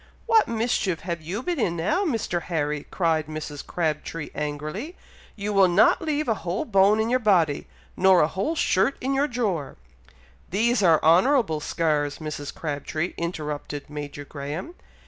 "What mischief have you been in now, Mr. Harry?" cried Mrs. Crabtree, angrily; "you will not leave a whole bone in your body, nor a whole shirt in your drawer!" "These are honourable scars, Mrs. Crabtree," interrupted Major Graham.